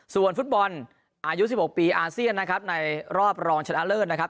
ส่วนฟุตบอลอายุ๑๖ปีอาเซียนนะครับในรอบรองชนะเลิศนะครับ